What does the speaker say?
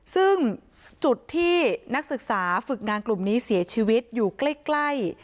ซึ่งจุดที่นักศึกษาฝึกงานกลุ่มนี้เสียชีวิตอยู่ใกล้